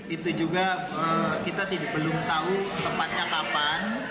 itu juga kita belum tahu tepatnya kapan